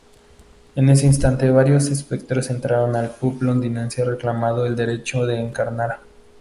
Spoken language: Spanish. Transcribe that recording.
En ese instante, varios espectros entraron al "pub" londinense reclamando el derecho a encarnar.